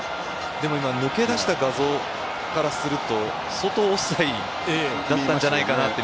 でも今抜け出した画像からするとオフサイドだったんじゃないかと。